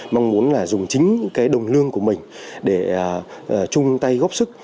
mong muốn là dùng chính cái đồng lương của mình để chung tay góp sức